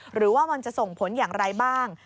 หรือว่ามันจะส่งผลอย่างไรบ้าง